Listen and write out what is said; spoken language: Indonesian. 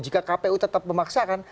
jika kpu tetap memaksakan